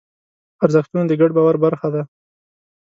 ارزښتونه د ګډ باور برخه ده.